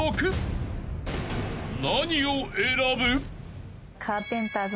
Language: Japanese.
［何を選ぶ？］